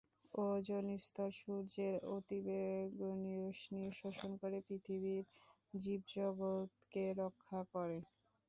Ozone স্তর সূর্যের অতিবেগুনি রশ্মি শোষণ করে পৃথিবীর জীবজগেক রক্ষা করে।